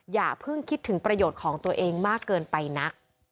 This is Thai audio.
อย่าเพิ่งคิดถึงประโยชน์ของตัวเองมากเกินไปนัก